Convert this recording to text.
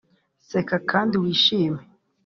seka kandi wishime